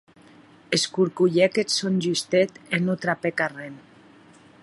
Escorcolhèc eth sòn justet e non trapèc arren.